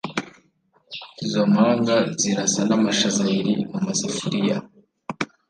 Izo mpanga zirasa namashaza abiri mumasafuriya.